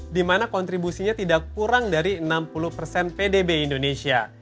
di mana kontribusinya tidak kurang dari enam puluh persen pdb indonesia